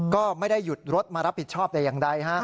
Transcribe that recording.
ก็ไม่ได้หยุดรถมารับผิดชอบแต่อย่างใด